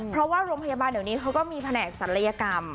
เพราะว่าโรงพยาบาลเดี๋ยวนี้เขาก็มีแผนกศัลยกรรม